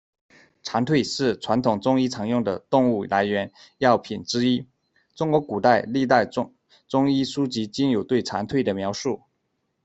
蝉蜕是传统中医常用的动物来源药品之一，中国古代历代中医书籍均有对蝉蜕的描述。